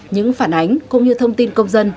những phản ánh cũng như thông tin công dân